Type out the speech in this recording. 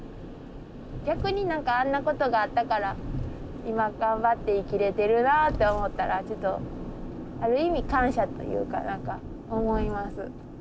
逆に何かあんなことがあったから今頑張って生きれてるなって思ったらちょっとある意味感謝というか何か思います。